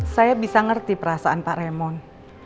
saya bisa ngerti perasaan pak remon